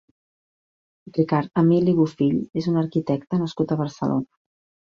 Ricard Emili Bofill és un arquitecte nascut a Barcelona.